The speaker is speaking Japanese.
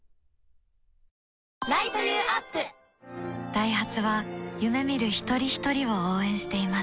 ダイハツは夢見る一人ひとりを応援しています